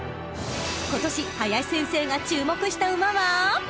［今年林先生が注目した馬は］